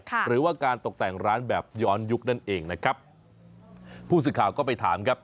หรือว่าการตกแต่งร้านแบบย้อนยุคนั่นเองนะครับผู้สื่อข่าวก็ไปถามครับ